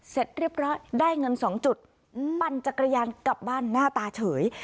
เสร็จเรียบร้อยได้เงิน๒จุดปั่นจักรยานกลับบ้านหน้าตาเฉย